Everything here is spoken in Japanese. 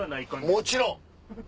もちろん。